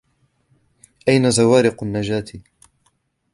أين زوارق النجاة ؟